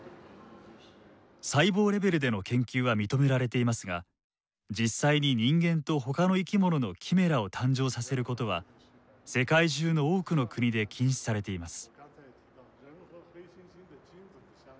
細胞レベルでの研究は認められていますが実際に人間とほかの生き物のキメラを誕生させることは世界中の多くの国で禁止されています。